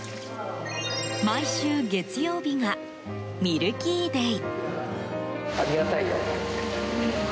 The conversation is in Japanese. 毎週月曜日がミルキーデイ。